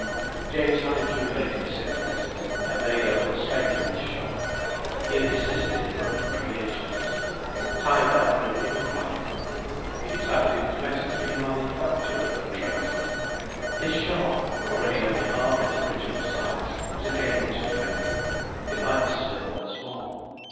James had accumulated sixpences, and made a little space in his shop. He had desisted from "creations." Time now for a new flight. He decided it was better to be a manufacturer than a tradesman. His shop, already only half its original size, was again too big. It might be split once more.